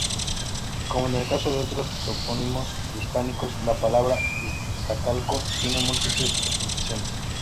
Como en el caso de otros topónimos prehispánicos, la palabra Iztacalco tiene múltiples interpretaciones.